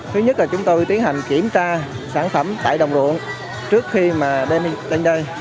thứ nhất là chúng tôi tiến hành kiểm tra sản phẩm tại đồng ruộng trước khi mà đem đến chợ